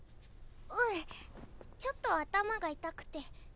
うんちょっと頭が痛くて。